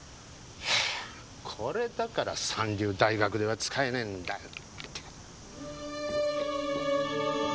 これだから三流大学出は使えねえんだよ。